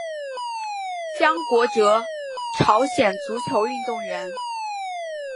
姜国哲朝鲜足球运动员。